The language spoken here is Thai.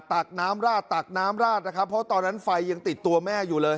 ตักน้ำราดตักน้ำราดนะครับเพราะตอนนั้นไฟยังติดตัวแม่อยู่เลย